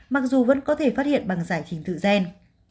mặc dù vẫn có thể phát hiện bằng giải trình tự gen